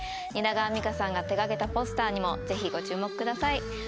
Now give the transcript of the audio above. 蜷川実花さんが手がけたポスターにもぜひご注目ください